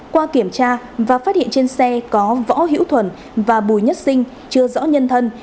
qua kiểm tra và phát hiện trên xe có võ hữu thuần và bùi nhất sinh chưa rõ nhân thân